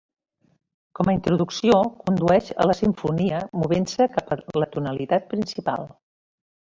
Com a introducció, condueix a la simfonia movent-se cap a la tonalitat principal.